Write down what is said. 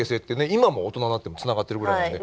今も大人になってもつながってるぐらいなんで。